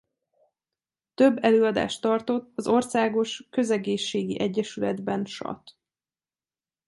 Több előadást tartott az országos közegészségi egyesületben sat.